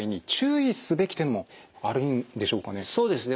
そうですね。